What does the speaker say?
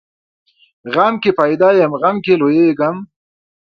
غم کې پیدا یم، غم کې لویېږم.